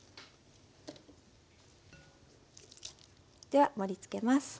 では盛りつけます。